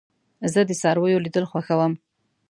زه د څارويو لیدل خوښوم.